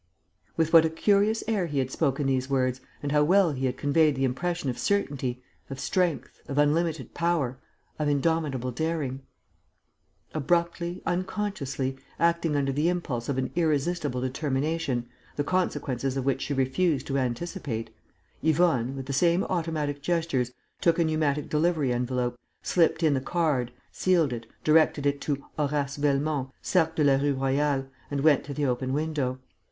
With what a curious air he had spoken these words and how well he had conveyed the impression of certainty, of strength, of unlimited power, of indomitable daring! Abruptly, unconsciously, acting under the impulse of an irresistible determination, the consequences of which she refused to anticipate, Yvonne, with the same automatic gestures, took a pneumatic delivery envelope, slipped in the card, sealed it, directed it to "Horace Velmont, Cercle de la Rue Royale" and went to the open window.